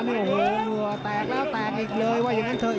แกร่งแล้วแกร่งเลยว่าอย่างงั้นเถอะ